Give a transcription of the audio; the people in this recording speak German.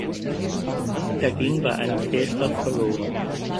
Er ging bei einem Fehlstart verloren.